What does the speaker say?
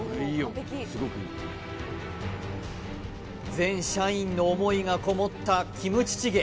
全社員の思いがこもったキムチチゲ